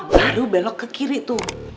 baru belok ke kiri tuh